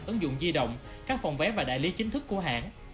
ứng dụng di động các phòng vé và đại lý chính thức của hãng